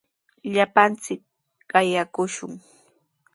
Llapanchik qayakushun.